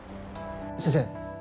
先生